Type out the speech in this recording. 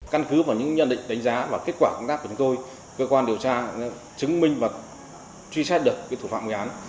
căn cứ vào những nhận định đánh giá và kết quả công tác của chúng tôi cơ quan điều tra chứng minh và truy xét được thủ phạm gây án